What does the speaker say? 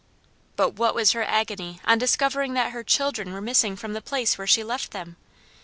But what was her agony on discovering that her children were missing from the place where she left them!